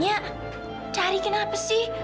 nya cari kenapa sih